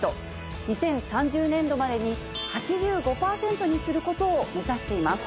２０３０年度までに８５％にすることを目指しています。